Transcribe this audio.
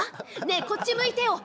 ねえこっち向いてよ。